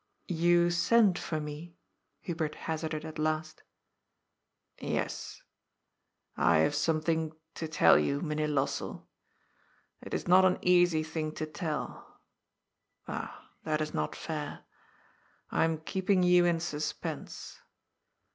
" You sent for me " Hubert hazarded at last. " Yes. I have something to tell you, Mynheer LosselL It is not an easy thing to tell. Ah, that is not fair. I am keeping you in suspense.